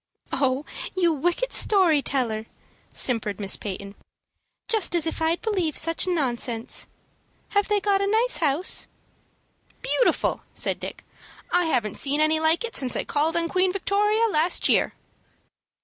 "Oh, you wicked story teller!" simpered Miss Peyton; "just as if I'd believe such nonsense. Have they got a nice house?" "Beautiful," said Dick. "I haven't seen any like it since I called on Queen Victoria last year."